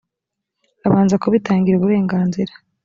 abanza kubitangira uburenganzira